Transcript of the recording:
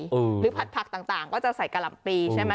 หรือผัดผักต่างก็จะใส่กะหล่ำปีใช่ไหม